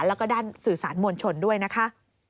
แล้วก็ด้านสื่อสารมวลชนด้วยนะคะ